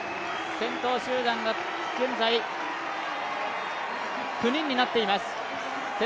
先頭集団が現在、９人になっています。